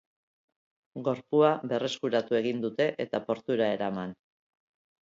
Gorpua berreskuratu egin dute, eta portura eraman.